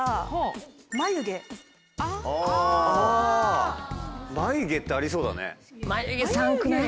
あぁ「まゆ毛」ってありそうだね。